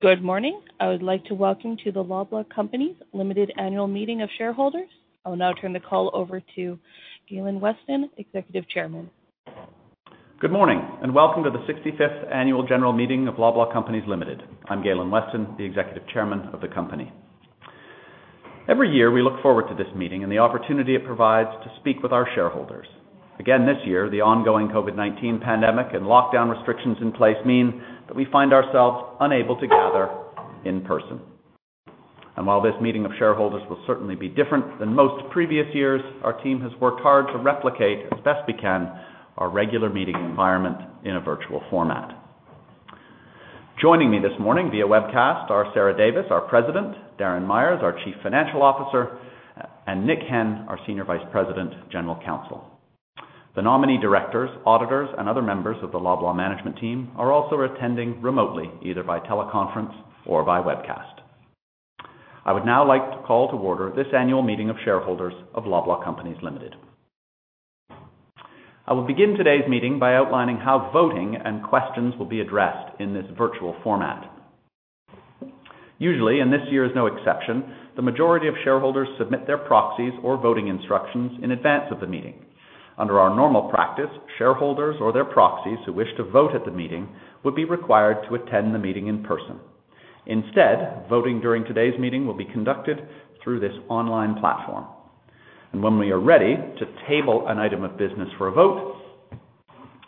Good morning. I would like to welcome to the Loblaw Companies Limited annual meeting of shareholders. I will now turn the call over to Galen G. Weston, Executive Chairman. Good morning, and welcome to the 65th annual general meeting of Loblaw Companies Limited. I'm Galen G. Weston, the Executive Chairman of the company. Every year, we look forward to this meeting and the opportunity it provides to speak with our shareholders. Again this year, the ongoing COVID-19 pandemic and lockdown restrictions in place mean that we find ourselves unable to gather in person. While this meeting of shareholders will certainly be different than most previous years, our team has worked hard to replicate as best we can our regular meeting environment in a virtual format. Joining me this morning via webcast are Sarah Davis, our President, Darren Myers, our Chief Financial Officer, and Nick Henn, our Senior Vice President General Counsel. The nominee directors, auditors, and other members of the Loblaw management team are also attending remotely, either by teleconference or by webcast. I would now like to call to order this annual meeting of shareholders of Loblaw Companies Limited. I will begin today's meeting by outlining how voting and questions will be addressed in this virtual format. Usually, this year is no exception, the majority of shareholders submit their proxies or voting instructions in advance of the meeting. Under our normal practice, shareholders or their proxies who wish to vote at the meeting would be required to attend the meeting in person. Instead, voting during today's meeting will be conducted through this online platform. When we are ready to table an item of business for a vote,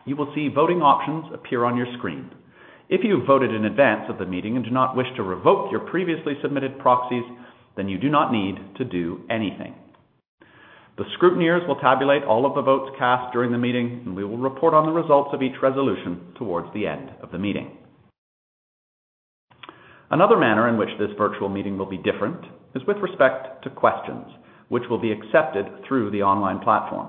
you will see voting options appear on your screen. If you have voted in advance of the meeting and do not wish to revoke your previously submitted proxies, then you do not need to do anything. The scrutineers will tabulate all of the votes cast during the meeting, and we will report on the results of each resolution towards the end of the meeting. Another manner in which this virtual meeting will be different is with respect to questions, which will be accepted through the online platform.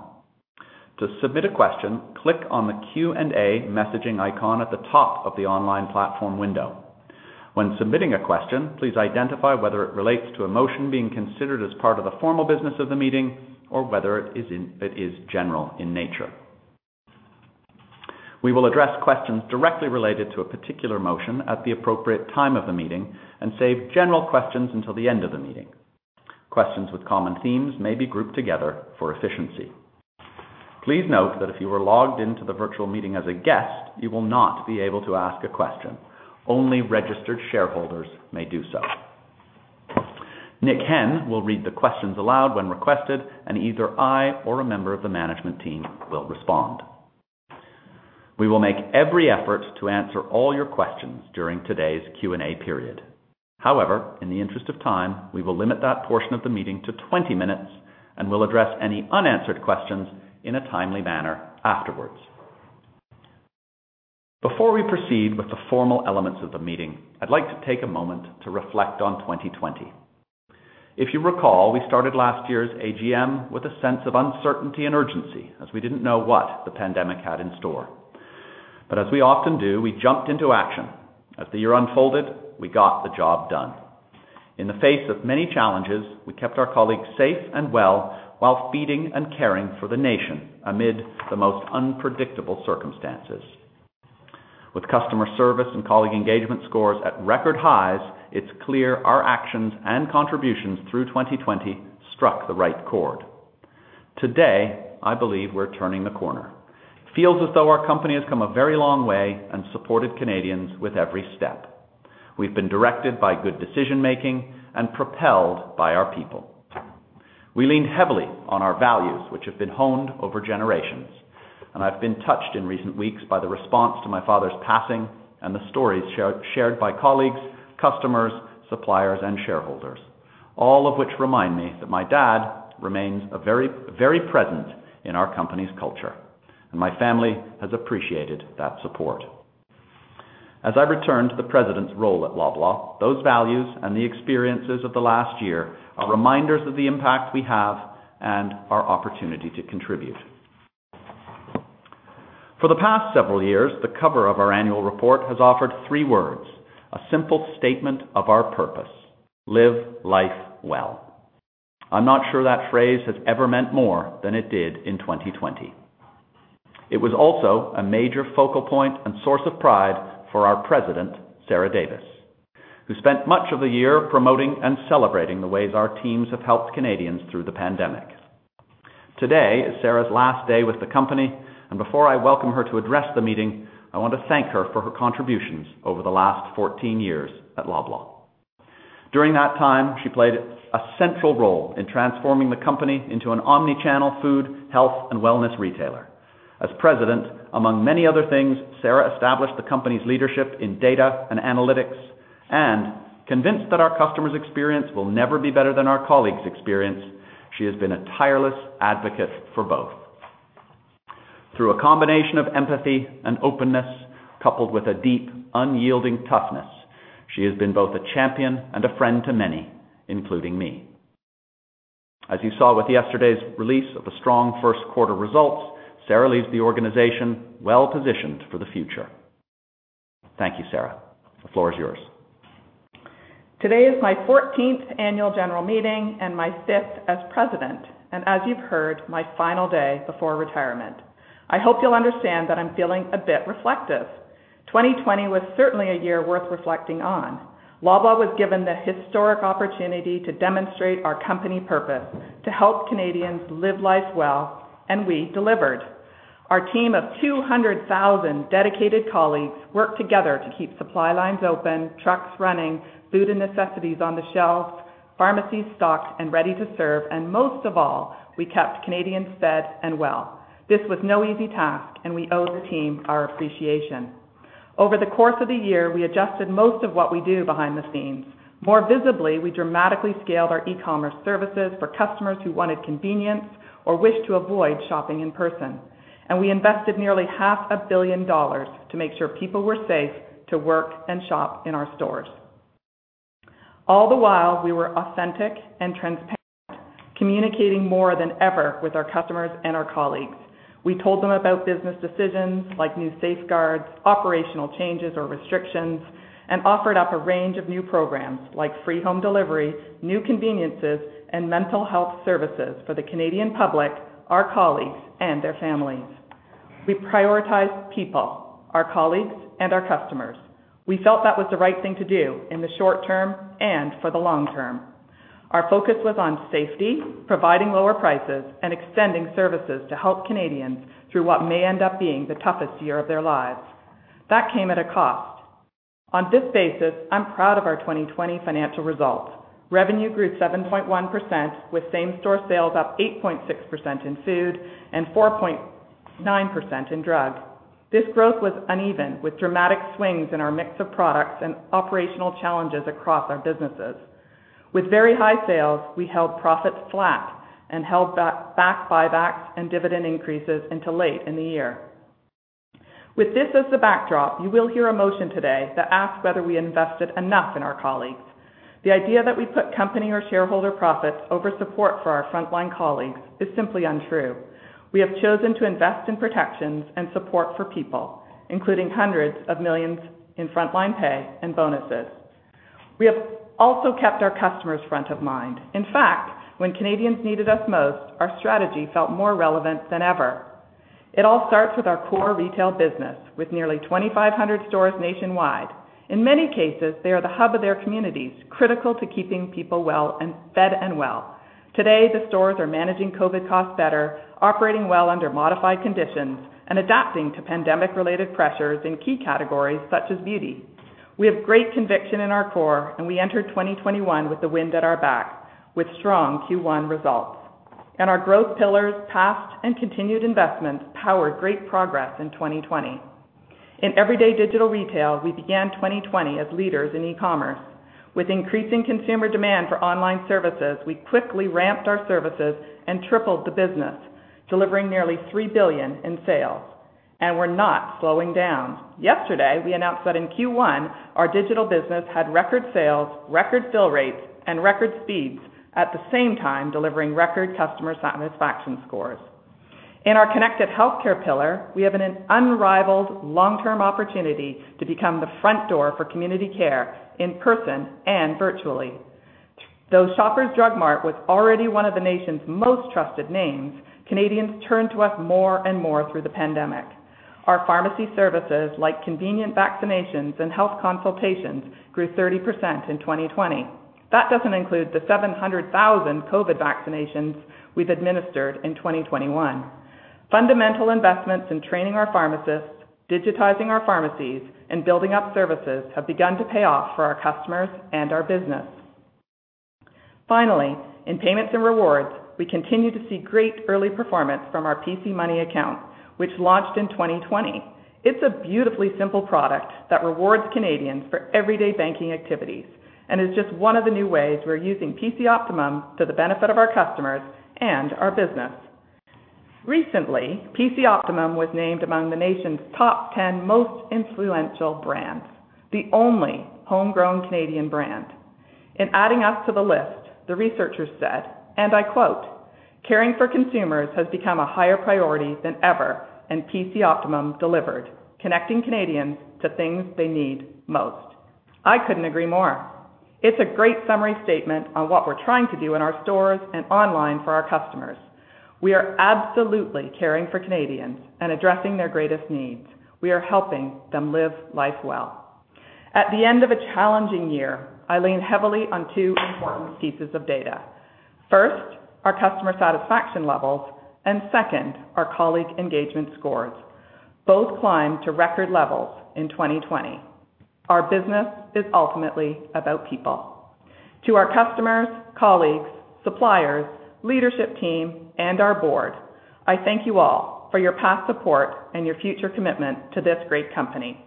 To submit a question, click on the Q&A messaging icon at the top of the online platform window. When submitting a question, please identify whether it relates to a motion being considered as part of the formal business of the meeting, or whether it is general in nature. We will address questions directly related to a particular motion at the appropriate time of the meeting and save general questions until the end of the meeting. Questions with common themes may be grouped together for efficiency. Please note that if you are logged into the virtual meeting as a guest, you will not be able to ask a question. Only registered shareholders may do so. Nick Henn will read the questions aloud when requested, and either I or a member of the management team will respond. We will make every effort to answer all your questions during today's Q&A period. However, in the interest of time, we will limit that portion of the meeting to 20 minutes and will address any unanswered questions in a timely manner afterwards. Before we proceed with the formal elements of the meeting, I'd like to take a moment to reflect on 2020. If you recall, we started last year's AGM with a sense of uncertainty and urgency as we didn't know what the pandemic had in store. As we often do, we jumped into action. As the year unfolded, we got the job done. In the face of many challenges, we kept our colleagues safe and well while feeding and caring for the nation amid the most unpredictable circumstances. With customer service and colleague engagement scores at record highs, it's clear our actions and contributions through 2020 struck the right chord. Today, I believe we're turning the corner. It feels as though our company has come a very long way and supported Canadians with every step. We've been directed by good decision-making and propelled by our people. We leaned heavily on our values, which have been honed over generations, and I've been touched in recent weeks by the response to my father's passing and the stories shared by colleagues, customers, suppliers, and shareholders, all of which remind me that my dad remains very present in our company's culture, and my family has appreciated that support. As I return to the president's role at Loblaw, those values and the experiences of the last year are reminders of the impact we have and our opportunity to contribute. For the past several years, the cover of our annual report has offered three words, a simple statement of our purpose, Live Life Well. I'm not sure that phrase has ever meant more than it did in 2020. It was also a major focal point and source of pride for our President, Sarah Davis, who spent much of the year promoting and celebrating the ways our teams have helped Canadians through the pandemic. Today is Sarah's last day with the company, and before I welcome her to address the meeting, I want to thank her for her contributions over the last 14 years at Loblaw. During that time, she played a central role in transforming the company into an omni-channel food, health, and wellness retailer. As President, among many other things, Sarah established the company's leadership in data and analytics and convinced that our customers' experience will never be better than our colleagues' experience, she has been a tireless advocate for both. Through a combination of empathy and openness, coupled with a deep, unyielding toughness, she has been both a champion and a friend to many, including me. As you saw with yesterday's release of the strong first quarter results, Sarah leaves the organization well-positioned for the future. Thank you, Sarah. The floor is yours. Today is my 14th annual general meeting and my fifth as president, and as you've heard, my final day before retirement. I hope you'll understand that I'm feeling a bit reflective. 2020 was certainly a year worth reflecting on. Loblaw was given the historic opportunity to demonstrate our company purpose, to help Canadians Live Life Well, and we delivered. Our team of 200,000 dedicated colleagues worked together to keep supply lines open, trucks running, food and necessities on the shelves, pharmacies stocked and ready to serve, and most of all, we kept Canadians fed and well. This was no easy task, and we owe the team our appreciation. Over the course of the year, we adjusted most of what we do behind the scenes. More visibly, we dramatically scaled our e-commerce services for customers who wanted convenience or wished to avoid shopping in person. We invested nearly half a billion dollars to make sure people were safe to work and shop in our stores. All the while, we were authentic and transparent, communicating more than ever with our customers and our colleagues. We told them about business decisions like new safeguards, operational changes or restrictions, and offered up a range of new programs like free home delivery, new conveniences, and mental health services for the Canadian public, our colleagues, and their families. We prioritized people, our colleagues, and our customers. We felt that was the right thing to do in the short term and for the long term. Our focus was on safety, providing lower prices, and extending services to help Canadians through what may end up being the toughest year of their lives. That came at a cost. On this basis, I'm proud of our 2020 financial results. Revenue grew 7.1%, with same-store sales up 8.6% in food and 4.9% in drug. This growth was uneven, with dramatic swings in our mix of products and operational challenges across our businesses. With very high sales, we held profits flat and held back buybacks and dividend increases until late in the year. With this as the backdrop, you will hear a motion today that asks whether we invested enough in our colleagues. The idea that we put company or shareholder profits over support for our frontline colleagues is simply untrue. We have chosen to invest in protections and support for people, including CAD hundreds of millions in frontline pay and bonuses. We have also kept our customers front of mind. In fact, when Canadians needed us most, our strategy felt more relevant than ever. It all starts with our core retail business, with nearly 2,500 stores nationwide. In many cases, they are the hub of their communities, critical to keeping people fed and well. Today, the stores are managing COVID-19 costs better, operating well under modified conditions, and adapting to pandemic-related pressures in key categories such as beauty. We have great conviction in our core, we enter 2021 with the wind at our back, with strong Q1 results. Our growth pillars, past and continued investments, powered great progress in 2020. In everyday digital retail, we began 2020 as leaders in e-commerce. With increasing consumer demand for online services, we quickly ramped our services and tripled the business, delivering nearly 3 billion in sales. We're not slowing down. Yesterday, we announced that in Q1, our digital business had record sales, record fill rates, and record speeds, at the same time delivering record customer satisfaction scores. In our connected healthcare pillar, we have an unrivaled long-term opportunity to become the front door for community care in person and virtually. Though Shoppers Drug Mart was already one of the nation's most trusted names, Canadians turned to us more and more through the pandemic. Our pharmacy services, like convenient vaccinations and health consultations, grew 30% in 2020. That doesn't include the 700,000 COVID vaccinations we've administered in 2021. Fundamental investments in training our pharmacists, digitizing our pharmacies, and building up services have begun to pay off for our customers and our business. Finally, in payments and rewards, we continue to see great early performance from our PC Money Account, which launched in 2020. It's a beautifully simple product that rewards Canadians for everyday banking activities and is just one of the new ways we're using PC Optimum to the benefit of our customers and our business. Recently, PC Optimum was named among the nation's top 10 most influential brands, the only homegrown Canadian brand. In adding us to the list, the researchers said, and I quote, "Caring for consumers has become a higher priority than ever, and PC Optimum delivered, connecting Canadians to things they need most." I couldn't agree more. It's a great summary statement on what we're trying to do in our stores and online for our customers. We are absolutely caring for Canadians and addressing their greatest needs. We are helping them Live Life Well. At the end of a challenging year, I lean heavily on two important pieces of data. First, our customer satisfaction levels, and second, our colleague engagement scores. Both climbed to record levels in 2020. Our business is ultimately about people. To our customers, colleagues, suppliers, leadership team, and our board, I thank you all for your past support and your future commitment to this great company.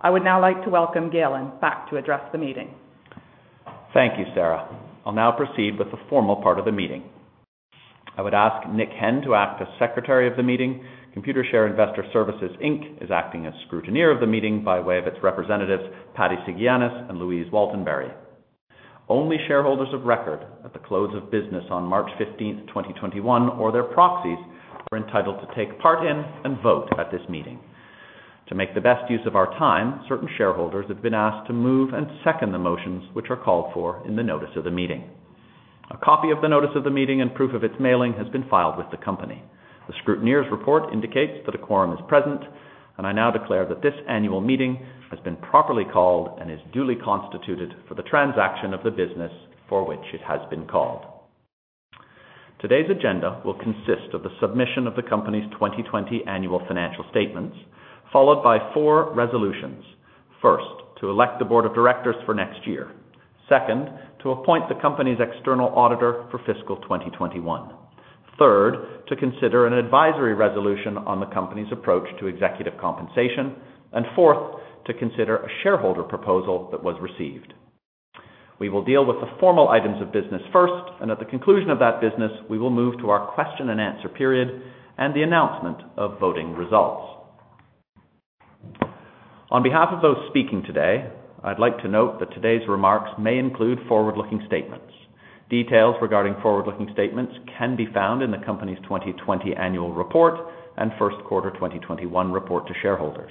I would now like to welcome Galen back to address the meeting. Thank you, Sarah. I'll now proceed with the formal part of the meeting. I would ask Nick Henn to act as secretary of the meeting. Computershare Investor Services Inc. is acting as scrutineer of the meeting by way of its representatives, Patti Sigiannis and Louise Waltenbury. Only shareholders of record at the close of business on March 15th, 2021, or their proxies, are entitled to take part in and vote at this meeting. To make the best use of our time, certain shareholders have been asked to move and second the motions which are called for in the notice of the meeting. A copy of the notice of the meeting and proof of its mailing has been filed with the company. The scrutineer's report indicates that a quorum is present, and I now declare that this annual meeting has been properly called and is duly constituted for the transaction of the business for which it has been called. Today's agenda will consist of the company's 2020 annual financial statements, followed by four resolutions. First, to elect the board of directors for next year. Second, to appoint the company's external auditor for fiscal 2021. Third, to consider an advisory resolution on the company's approach to executive compensation. Fourth, to consider a shareholder proposal that was received. We will deal with the formal items of business first, and at the conclusion of that business, we will move to our question and answer period and the announcement of voting results. On behalf of those speaking today, I'd like to note that today's remarks may include forward-looking statements. Details regarding forward-looking statements can be found in the company's 2020 annual report and first quarter 2021 report to shareholders.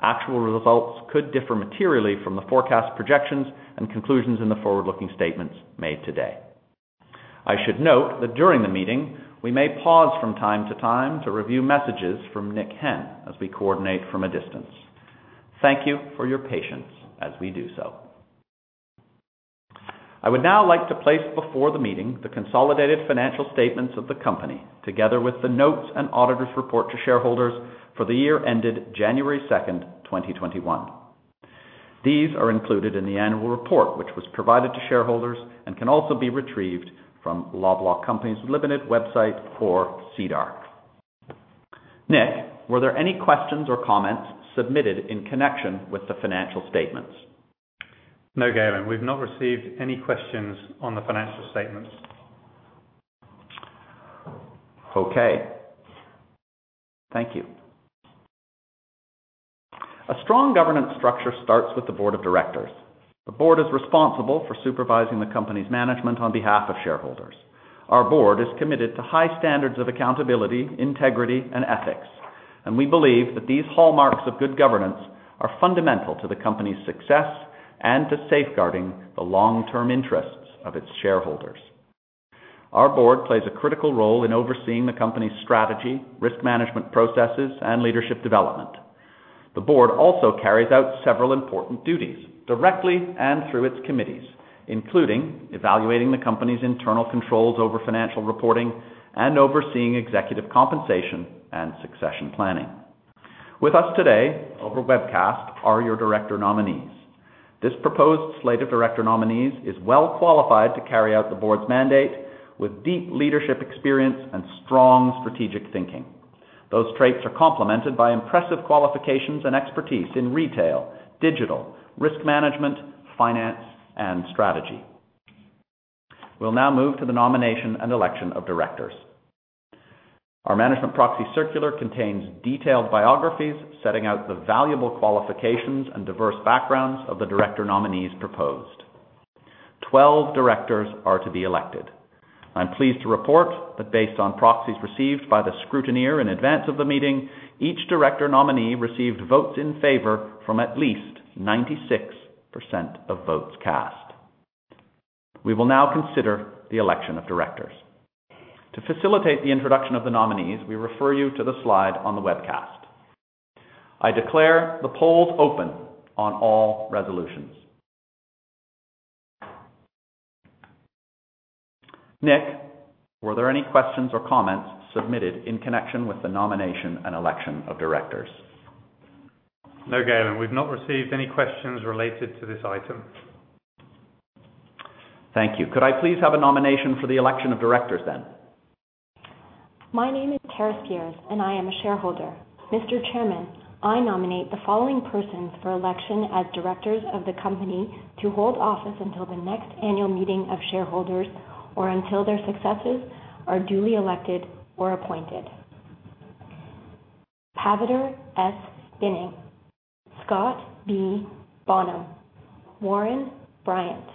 Actual results could differ materially from the forecast projections and conclusions in the forward-looking statements made today. I should note that during the meeting, we may pause from time to time to review messages from Nick Henn as we coordinate from a distance. Thank you for your patience as we do so. I would now like to place before the meeting the consolidated financial statements of the company, together with the notes and auditor's report to shareholders for the year ended January 2nd, 2021. These are included in the annual report, which was provided to shareholders and can also be retrieved from Loblaw Companies Limited website or SEDAR. Nick, were there any questions or comments submitted in connection with the financial statements? No, Galen, we've not received any questions on the financial statements. Okay. Thank you. A strong governance structure starts with the board of directors. The board is responsible for supervising the company's management on behalf of shareholders. Our board is committed to high standards of accountability, integrity, and ethics, and we believe that these hallmarks of good governance are fundamental to the company's success and to safeguarding the long-term interests of its shareholders. Our board plays a critical role in overseeing the company's strategy, risk management processes, and leadership development. The board also carries out several important duties directly and through its committees, including evaluating the company's internal controls over financial reporting and overseeing executive compensation and succession planning. With us today over webcast are your director nominees. This proposed slate of director nominees is well-qualified to carry out the board's mandate with deep leadership experience and strong strategic thinking. Those traits are complemented by impressive qualifications and expertise in retail, digital, risk management, finance, and strategy. We'll now move to the nomination and election of directors. Our management proxy circular contains detailed biographies setting out the valuable qualifications and diverse backgrounds of the director nominees proposed. 12 directors are to be elected. I'm pleased to report that based on proxies received by the scrutineer in advance of the meeting, each director nominee received votes in favor from at least 96% of votes cast. We will now consider the election of directors. To facilitate the introduction of the nominees, we refer you to the slide on the webcast. I declare the polls open on all resolutions. Nick, were there any questions or comments submitted in connection with the nomination and election of directors? No, Galen. We've not received any questions related to this item. Thank you. Could I please have a nomination for the election of directors then? My name is Tara Speers, and I am a shareholder. Mr. Chairman, I nominate the following persons for election as directors of the company to hold office until the next annual meeting of shareholders, or until their successors are duly elected or appointed. Paviter S. Binning, Scott B. Bonham, Warren Bryant,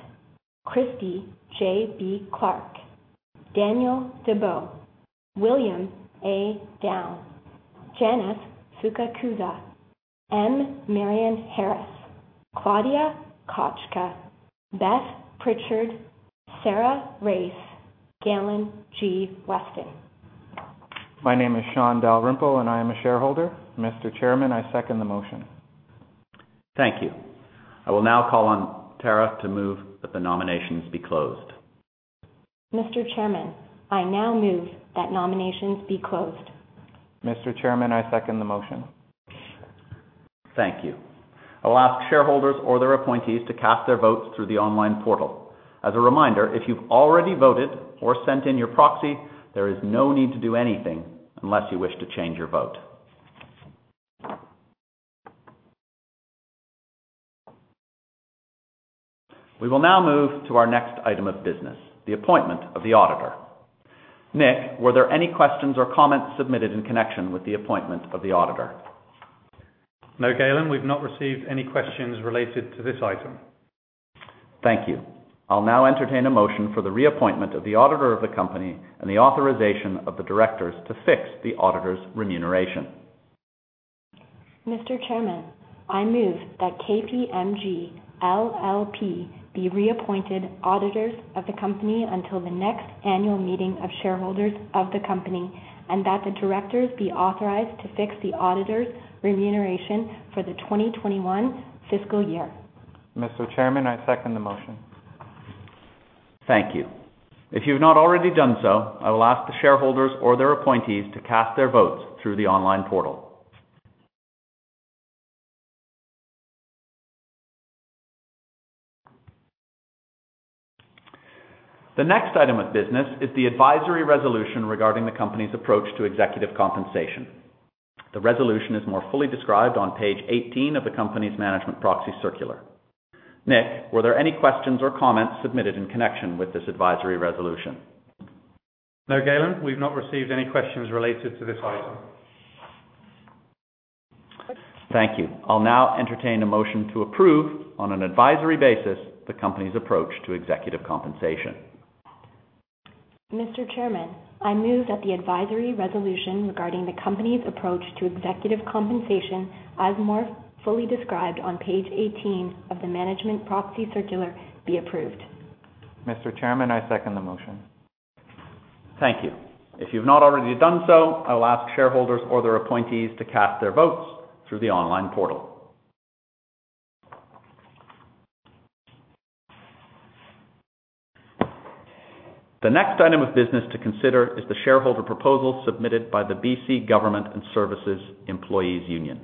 Christie J.B. Clark, Daniel Debow, William A. Downe, Janice Fukakusa, M. Marianne Harris, Claudia Kotchka, Beth Pritchard, Sarah Raiss, Galen G. Weston. My name is Shawn Dalrymple, and I am a shareholder. Mr. Chairman, I second the motion. Thank you. I will now call on Tara to move that the nominations be closed. Mr. Chairman, I now move that nominations be closed. Mr. Chairman, I second the motion. Thank you. I'll ask shareholders or their appointees to cast their votes through the online portal. As a reminder, if you've already voted or sent in your proxy, there is no need to do anything unless you wish to change your vote. We will now move to our next item of business, the appointment of the auditor. Nick, were there any questions or comments submitted in connection with the appointment of the auditor? No, Galen. We've not received any questions related to this item. Thank you. I'll now entertain a motion for the reappointment of the auditor of the company and the authorization of the directors to fix the auditor's remuneration. Mr. Chairman, I move that KPMG LLP be reappointed auditors of the company until the next annual meeting of shareholders of the company, and that the directors be authorized to fix the auditors' remuneration for the 2021 fiscal year. Mr. Chairman, I second the motion. Thank you. If you've not already done so, I will ask the shareholders or their appointees to cast their votes through the online portal. The next item of business is the advisory resolution regarding the company's approach to executive compensation. The resolution is more fully described on page 18 of the company's management proxy circular. Nick, were there any questions or comments submitted in connection with this advisory resolution? No, Galen. We've not received any questions related to this item. Thank you. I'll now entertain a motion to approve, on an advisory basis, the company's approach to executive compensation. Mr. Chairman, I move that the advisory resolution regarding the company's approach to executive compensation, as more fully described on page 18 of the management proxy circular, be approved. Mr. Chairman, I second the motion. Thank you. If you've not already done so, I will ask shareholders or their appointees to cast their votes through the online portal. The next item of business to consider is the shareholder proposal submitted by the BC Government and Service Employees' Union.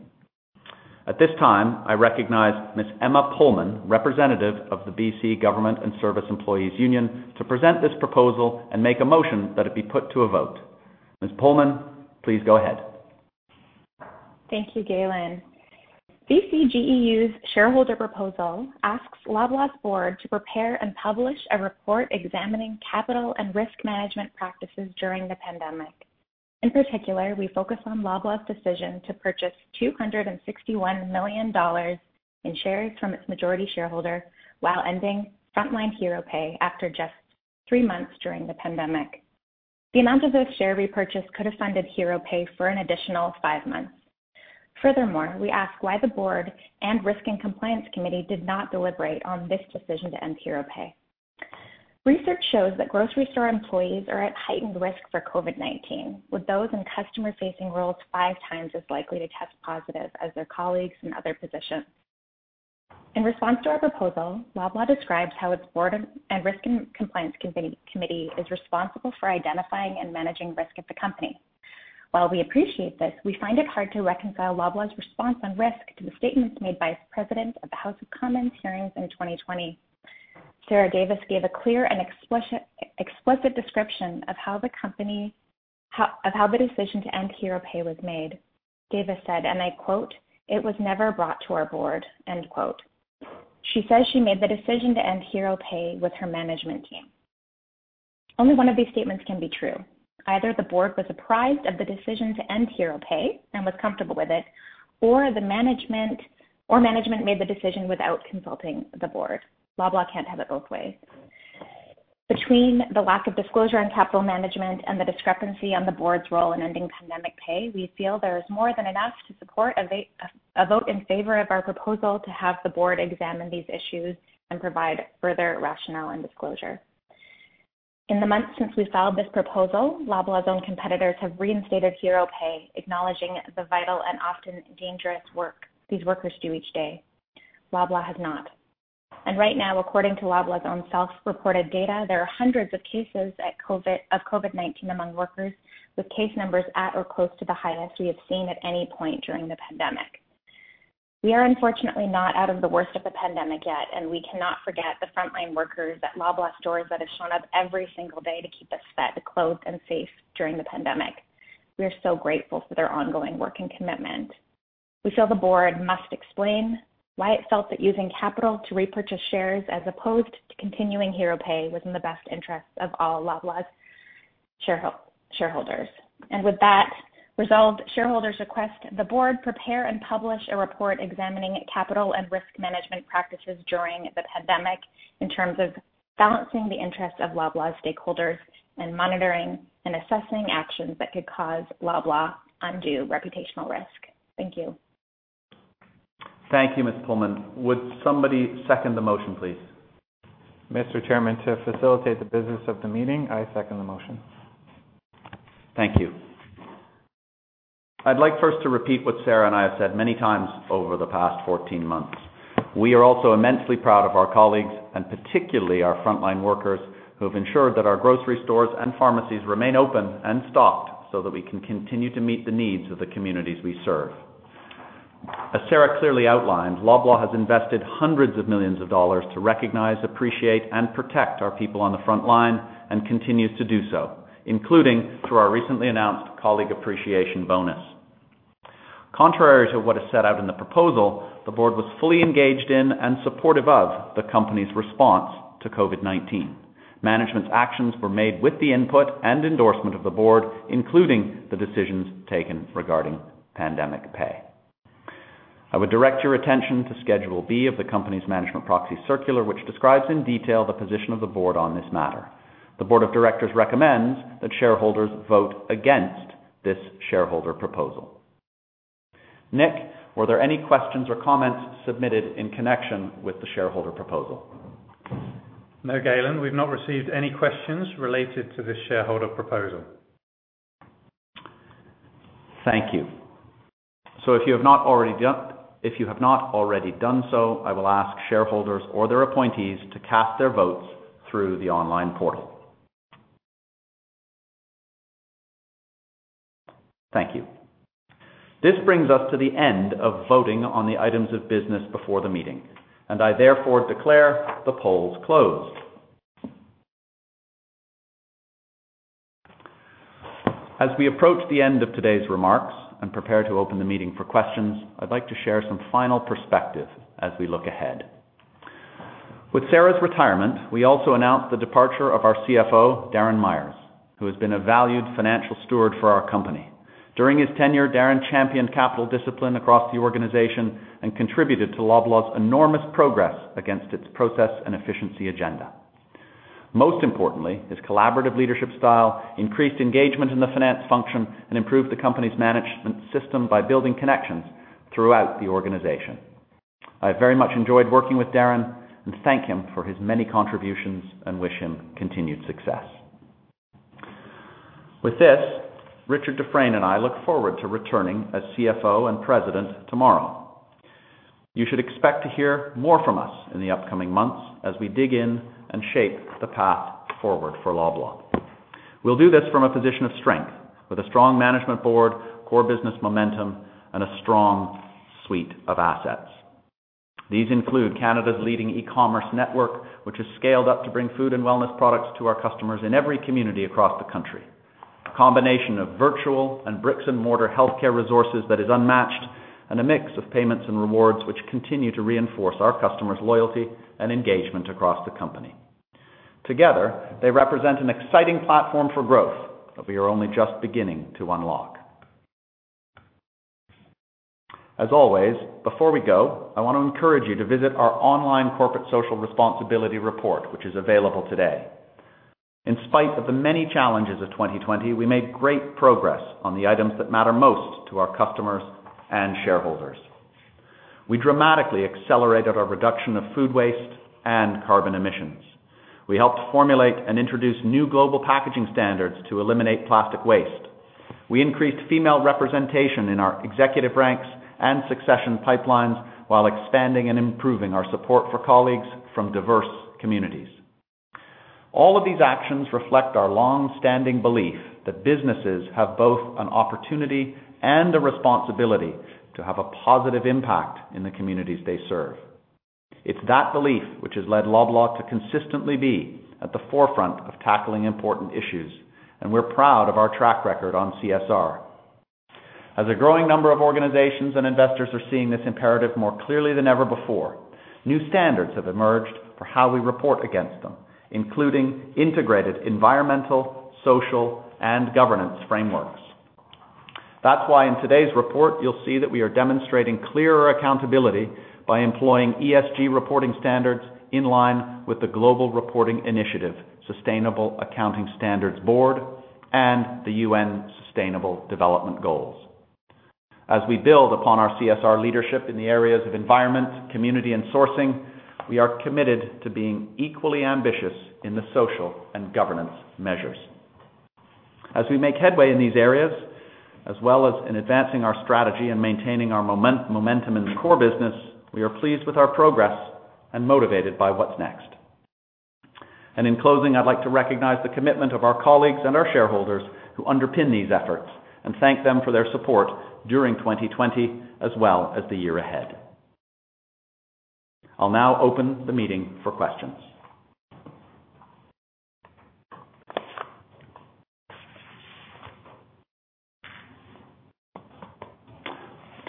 At this time, I recognize Ms. Emma Pullman, representative of the BC Government and Service Employees' Union, to present this proposal and make a motion that it be put to a vote. Ms. Pullman, please go ahead. Thank you, Galen. BCGEU's shareholder proposal asks Loblaw's board to prepare and publish a report examining capital and risk management practices during the pandemic. In particular, we focus on Loblaw's decision to purchase 261 million dollars in shares from its majority shareholder while ending frontline hero pay after just three months during the pandemic. The amount of this share repurchase could have funded hero pay for an additional five months. Furthermore, we ask why the board and risk and compliance committee did not deliberate on this decision to end hero pay. Research shows that grocery store employees are at heightened risk for COVID-19, with those in customer-facing roles five times as likely to test positive as their colleagues in other positions. In response to our proposal, Loblaw describes how its board and risk and compliance committee is responsible for identifying and managing risk at the company. While we appreciate this, we find it hard to reconcile Loblaw's response on risk to the statements made by President at the House of Commons hearings in 2020. Sarah Davis gave a clear and explicit description of how the decision to end hero pay was made. Davis said, and I quote, It was never brought to our board. End quote. She says she made the decision to end hero pay with her management team. Only one of these statements can be true. Either the board was apprised of the decision to end hero pay and was comfortable with it, or management made the decision without consulting the board. Loblaw can't have it both ways. Between the lack of disclosure on capital management and the discrepancy on the board's role in ending pandemic pay, we feel there is more than enough to support a vote in favor of our proposal to have the board examine these issues and provide further rationale and disclosure. In the months since we filed this proposal, Loblaw's own competitors have reinstated hero pay, acknowledging the vital and often dangerous work these workers do each day. Loblaw has not. Right now, according to Loblaw's own self-reported data, there are hundreds of cases of COVID-19 among workers, with case numbers at or close to the highest we have seen at any point during the pandemic. We are unfortunately not out of the worst of the pandemic yet, and we cannot forget the frontline workers at Loblaw stores that have shown up every single day to keep us fed, clothed, and safe during the pandemic. We are so grateful for their ongoing work and commitment. We feel the board must explain why it felt that using capital to repurchase shares as opposed to continuing hero pay was in the best interest of all Loblaw's shareholders. With that resolved, shareholders request the board prepare and publish a report examining capital and risk management practices during the pandemic in terms of balancing the interest of Loblaw stakeholders and monitoring and assessing actions that could cause Loblaw undue reputational risk. Thank you. Thank you, Ms. Pullman. Would somebody second the motion, please? Mr. Chairman, to facilitate the business of the meeting, I second the motion. Thank you. I'd like first to repeat what Sarah and I have said many times over the past 14 months. We are also immensely proud of our colleagues, and particularly our frontline workers, who have ensured that our grocery stores and pharmacies remain open and stocked so that we can continue to meet the needs of the communities we serve. As Sarah clearly outlined, Loblaw has invested CAD hundreds of millions of dollars to recognize, appreciate, and protect our people on the frontline and continues to do so, including through our recently announced colleague appreciation bonus. Contrary to what is set out in the proposal, the board was fully engaged in and supportive of the company's response to COVID-19. Management's actions were made with the input and endorsement of the board, including the decisions taken regarding pandemic pay. I would direct your attention to Schedule B of the company's management proxy circular, which describes in detail the position of the board on this matter. The board of directors recommends that shareholders vote against this shareholder proposal. Nick, were there any questions or comments submitted in connection with the shareholder proposal? No, Galen, we've not received any questions related to this shareholder proposal. Thank you. If you have not already done so, I will ask shareholders or their appointees to cast their votes through the online portal. Thank you. This brings us to the end of voting on the items of business before the meeting, and I therefore declare the polls closed. As we approach the end of today's remarks and prepare to open the meeting for questions, I'd like to share some final perspective as we look ahead. With Sarah's retirement, we also announce the departure of our CFO, Darren Myers, who has been a valued financial steward for our company. During his tenure, Darren championed capital discipline across the organization and contributed to Loblaw's enormous progress against its process and efficiency agenda. Most importantly, his collaborative leadership style increased engagement in the finance function and improved the company's management system by building connections throughout the organization. I very much enjoyed working with Darren and thank him for his many contributions and wish him continued success. With this, Richard Dufresne and I look forward to returning as CFO and president tomorrow. You should expect to hear more from us in the upcoming months as we dig in and shape the path forward for Loblaw. We'll do this from a position of strength with a strong management board, core business momentum, and a strong suite of assets. These include Canada's leading e-commerce network, which has scaled up to bring food and wellness products to our customers in every community across the country, a combination of virtual and bricks and mortar healthcare resources that is unmatched, and a mix of payments and rewards which continue to reinforce our customers' loyalty and engagement across the company. Together, they represent an exciting platform for growth that we are only just beginning to unlock. As always, before we go, I want to encourage you to visit our online corporate social responsibility report, which is available today. In spite of the many challenges of 2020, we made great progress on the items that matter most to our customers and shareholders. We dramatically accelerated our reduction of food waste and carbon emissions. We helped formulate and introduce new global packaging standards to eliminate plastic waste. We increased female representation in our executive ranks and succession pipelines while expanding and improving our support for colleagues from diverse communities. All of these actions reflect our long-standing belief that businesses have both an opportunity and a responsibility to have a positive impact in the communities they serve. It's that belief which has led Loblaw to consistently be at the forefront of tackling important issues, and we're proud of our track record on CSR. As a growing number of organizations and investors are seeing this imperative more clearly than ever before, new standards have emerged for how we report against them, including integrated environmental, social, and governance frameworks. That's why in today's report, you'll see that we are demonstrating clearer accountability by employing ESG reporting standards in line with the Global Reporting Initiative, Sustainability Accounting Standards Board, and the UN Sustainable Development Goals. As we build upon our CSR leadership in the areas of environment, community, and sourcing, we are committed to being equally ambitious in the social and governance measures. As we make headway in these areas, as well as in advancing our strategy and maintaining our momentum in the core business, we are pleased with our progress and motivated by what's next. In closing, I'd like to recognize the commitment of our colleagues and our shareholders who underpin these efforts and thank them for their support during 2020 as well as the year ahead. I'll now open the meeting for questions.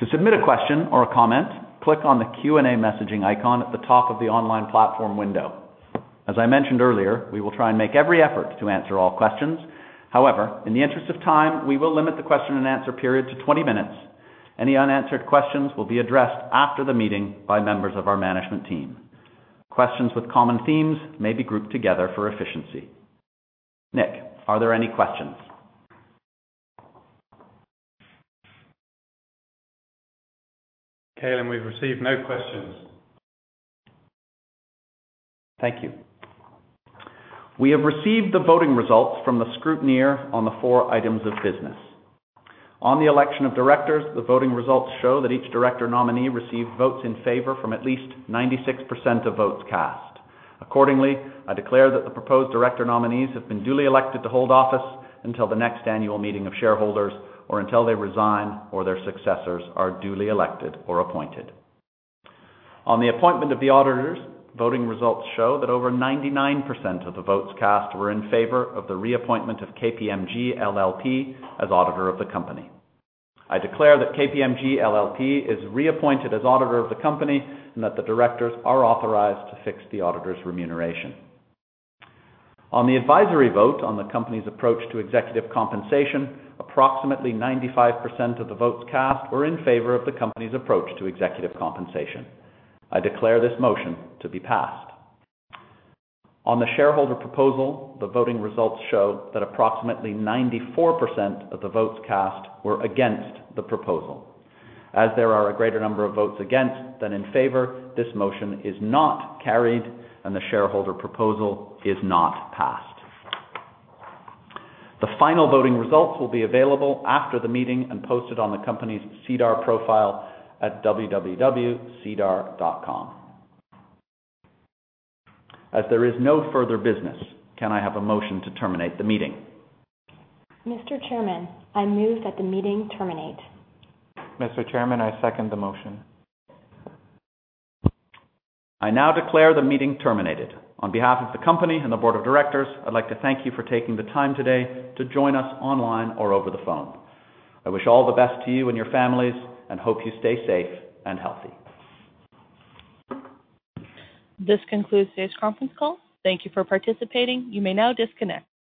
To submit a question or a comment, click on the Q&A messaging icon at the top of the online platform window. As I mentioned earlier, we will try and make every effort to answer all questions. However, in the interest of time, we will limit the question and answer period to 20 minutes. Any unanswered questions will be addressed after the meeting by members of our management team. Questions with common themes may be grouped together for efficiency. Nick, are there any questions? Galen, we've received no questions. Thank you. We have received the voting results from the scrutineer on the four items of business. On the election of Directors, the voting results show that each Director Nominee received votes in favor from at least 96% of votes cast. Accordingly, I declare that the proposed Director Nominees have been duly elected to hold office until the next annual meeting of shareholders, or until they resign or their successors are duly elected or appointed. On the appointment of the Auditors, voting results show that over 99% of the votes cast were in favor of the reappointment of KPMG LLP as Auditor of the company. I declare that KPMG LLP is reappointed as Auditor of the company and that the Directors are authorized to fix the Auditor's remuneration. On the advisory vote on the company's approach to executive compensation, approximately 95% of the votes cast were in favor of the company's approach to executive compensation. I declare this motion to be passed. On the shareholder proposal, the voting results show that approximately 94% of the votes cast were against the proposal. As there are a greater number of votes against than in favor, this motion is not carried, and the shareholder proposal is not passed. The final voting results will be available after the meeting and posted on the company's SEDAR profile at www.sedar.com. As there is no further business, can I have a motion to terminate the meeting? Mr. Chairman, I move that the meeting terminate. Mr. Chairman, I second the motion. I now declare the meeting terminated. On behalf of the company and the board of directors, I'd like to thank you for taking the time today to join us online or over the phone. I wish all the best to you and your families and hope you stay safe and healthy. This concludes today's conference call. Thank you for participating. You may now disconnect.